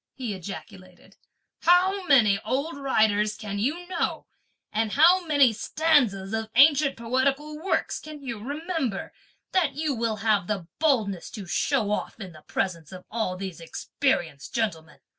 he ejaculated; "how many old writers can you know, and how many stanzas of ancient poetical works can you remember, that you will have the boldness to show off in the presence of all these experienced gentlemen?